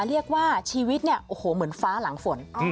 เรียกว่าชีวิตเนี่ยโอ้โหเหมือนฟ้าหลังฝน